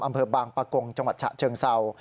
อำเภอบางปะกงจังหวัดฉะเชิงเศร้า